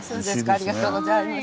ありがとうございます。